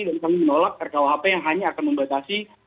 dan kami menolak rkuhp yang hanya akan membatasi